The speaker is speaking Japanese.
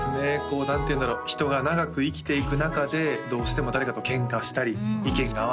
こう何ていうんだろう人が長く生きていく中でどうしても誰かとケンカしたり意見が合わない